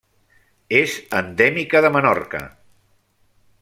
És endèmica de Menorca.